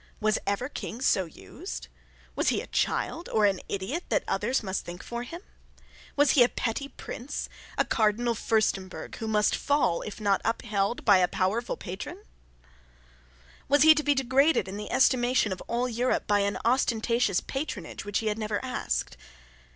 Was ever King so used? Was he a child, or an idiot, that others must think for him? Was he a petty prince, a Cardinal Furstemburg, who must fall if not upheld by a powerful patron? Was he to be degraded in the estimation of all Europe, by an ostentatious patronage which he had never asked?